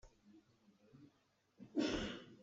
Ar nih zei aw dah a chuah?